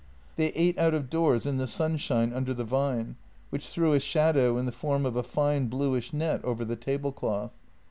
They ate out of doors in the sunshine under the vine, which threw a shadow in the form of a fine bluish net over the tablecloth.